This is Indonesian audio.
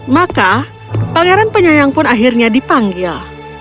maka pangeran penyayang pun akhirnya dipanggil